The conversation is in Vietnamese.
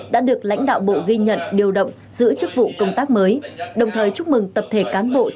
đã được lãnh đạo bộ ghi nhận điều động giữ chức vụ công tác mới đồng thời chúc mừng tập thể cán bộ